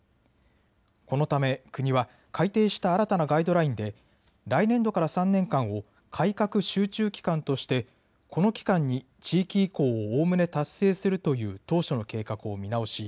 このため、国は改定した新たなガイドラインで来年度から３年間を改革集中期間としてこの期間に地域移行をおおむね達成するという当初の計画を見直し